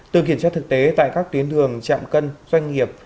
từ kiểm tra thực tế tại các tuyến đường chạm cân doanh nghiệp